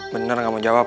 bener gak mau jawab kal